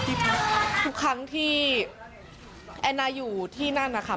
ทุกครั้งที่แอนนาอยู่ที่นั่นนะคะ